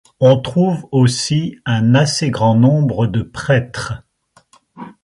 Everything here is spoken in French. On trouve aussi un assez grand nombre de prêtres.